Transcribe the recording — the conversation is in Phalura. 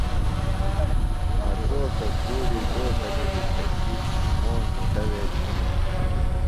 مٹروکہ گُھوڑی ڈوکہ جُھلیۡ بھیشیۡ موݨ مُٹہ وےۡ چھوݨی